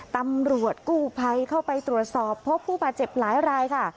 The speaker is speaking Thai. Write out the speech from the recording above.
ตำรวจกู้ภัยเข้าไปตรวจสอบพบผู้บาดเจ็บหลายรายค่ะ